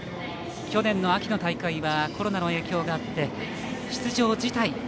去年の秋の大会はコロナの影響があって出場辞退。